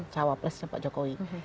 cawa presnya pak jokowi